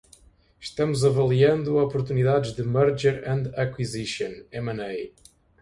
Estamos avaliando oportunidades de merger and acquisition (M&A).